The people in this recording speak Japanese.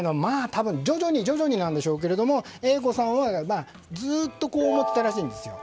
多分、徐々になんでしょうけどＡ子さんは、ずっとこう思ってたらしいんですよ。